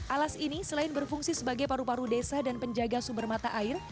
alas ini selain berfungsi sebagai paru paru desa dan penjaga sumber mata air